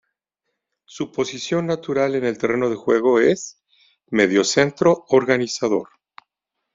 Su posición natural en el terreno de juego es mediocentro organizador.